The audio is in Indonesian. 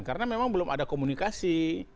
karena memang belum ada komunikasi